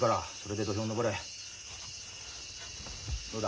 どうだ？